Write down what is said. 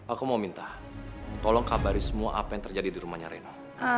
aku mau minta tolong kabari semua apa yang terjadi di rumahnya rena